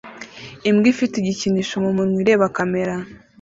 Imbwa ifite igikinisho mumunwa ireba kamera